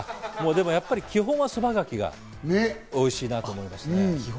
やっぱり基本はそばがきがおいしいなと思いますね。